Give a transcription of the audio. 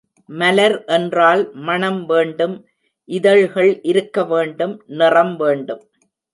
மலர் என்றால் மணம் வேண்டும் இதழ்கள் இருக்க வேண்டும் நிறம் வேண்டும்.